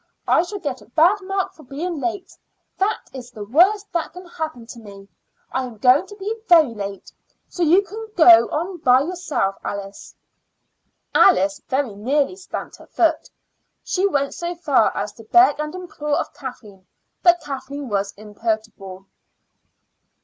I shall get a bad mark for being late; that is the worst that can happen to me. I am going to be very late, so you can go on by yourself, Alice." Alice very nearly stamped her foot. She went so far as to beg and implore of Kathleen, but Kathleen was imperturbable.